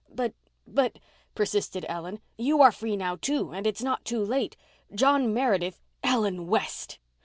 "But—but," persisted Ellen, "you are free now, too—and it's not too late—John Meredith—" "Ellen West!"